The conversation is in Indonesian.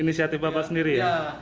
inisiatif bapak sendiri ya